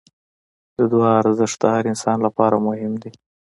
د دعا ارزښت د هر انسان لپاره مهم دی.